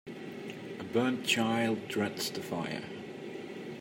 A burnt child dreads the fire.